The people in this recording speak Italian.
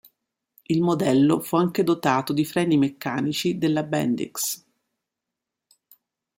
Il modello fu anche dotato di freni meccanici della Bendix.